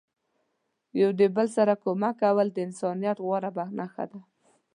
یو د بل سره کومک کول د انسانیت غوره نخښه ده.